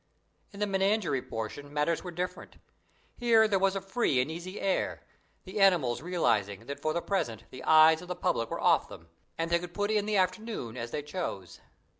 In the menagerie portion matters were different; here there was a free and easy air, the animals realising that for the present the eyes of the public were off them, and they could put in the afternoon as they chose.